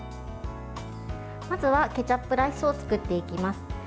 まずは、ケチャップライスを作っていきます。